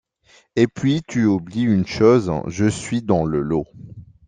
Et puis tu oublies une chose: je suis dans le lot.